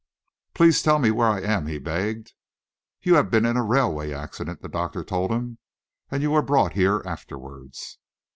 "Please tell me where I am?" he begged. "You have been in a railway accident," the doctor told him, "and you were brought here afterwards."